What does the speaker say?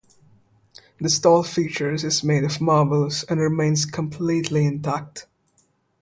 This tall features is made of marble and remains completely intact.